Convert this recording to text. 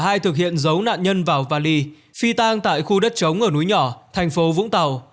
hai thực hiện giấu nạn nhân vào vali phi tang tại khu đất chống ở núi nhỏ thành phố vũng tàu